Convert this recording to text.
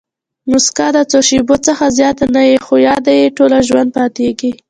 مسکا د څو شېبو څخه زیاته نه يي؛ خو یاد ئې ټوله ژوند پاتېږي.